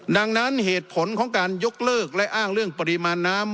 ดังนั้นเหตุผลของการยกเลิกและอ้างเรื่องปริมาณน้ำ